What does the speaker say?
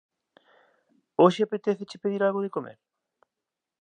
Hoxe apetéceche pedir algo de comer?